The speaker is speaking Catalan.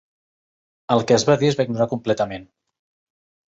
El que es va dir es va ignorar completament.